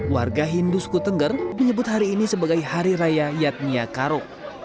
warga hindu suku tengger menyebut hari ini sebagai hari raya yatmia karo